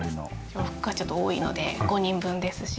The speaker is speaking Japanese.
洋服がちょっと多いので５人分ですし。